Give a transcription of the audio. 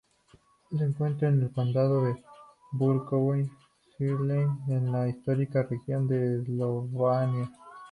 Se encuentra en el Condado de Vukovar-Srijem, en la histórica región de Eslavonia.